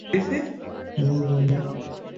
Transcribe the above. সবসময় সে কিউট।